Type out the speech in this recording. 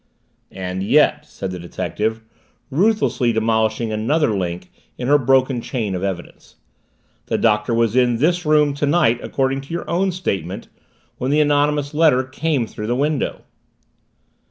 "And yet," said the detective, ruthlessly demolishing another link in her broken chain of evidence, "the Doctor was in this room tonight, according to your own statement, when the anonymous letter came through the window."